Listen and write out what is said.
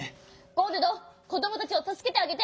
ゴールドこどもたちをたすけてあげて！